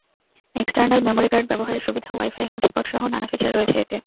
External memory card ব্যবহারের সুবিধা, wifi হটস্পটসহ নানা ফিচার রয়েছে এতে।